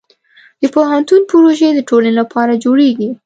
د پوهنتون پروژې د ټولنې لپاره جوړېږي.